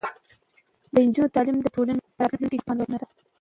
د نجونو تعلیم د ټولنې په راتلونکي پانګه اچونه ده.